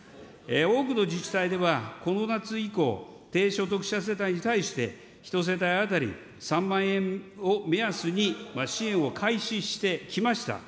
多くの自治体では、この夏以降、低所得者世帯に対して、１世帯当たり３万円を目安に支援を開始してきました。